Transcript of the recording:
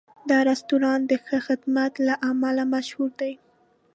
دا رستورانت د ښه خدمت له امله مشهور دی.